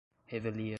revelia